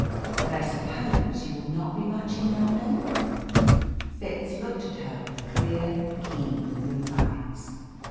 But I suppose you will not be much in London?" Fitz looked at her with clear, keen blue eyes.